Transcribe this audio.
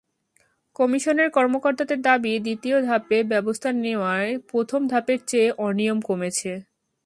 কমিশনের কর্মকর্তাদের দাবি, দ্বিতীয় ধাপে ব্যবস্থা নেওয়ায় প্রথম ধাপের চেয়ে অনিয়ম কমেছে।